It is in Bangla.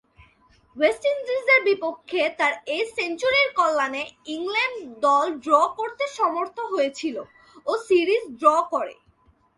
ওয়েস্ট ইন্ডিজের বিপক্ষে তার এ সেঞ্চুরির কল্যাণে ইংল্যান্ড দল ড্র করতে সমর্থ হয়েছিল ও সিরিজ ড্র করে।